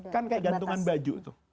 kan kayak gantungan baju tuh